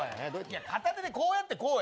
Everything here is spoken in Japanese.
片手でこうやってこうや。